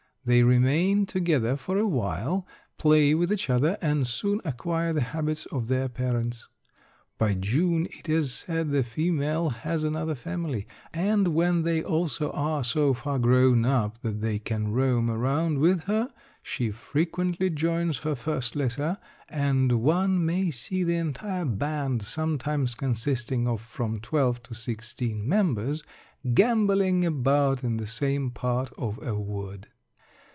They remain together for a while, play with each other and soon acquire the habits of their parents. By June it is said the female has another family, and when they also are so far grown up that they can roam around with her, she frequently joins her first litter, and one may see the entire band, sometimes consisting of from twelve to sixteen members, gamboling about in the same part of a wood.